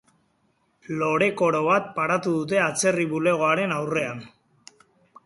Lore-koro bat paratu dute atzerri bulegoaren aurrean.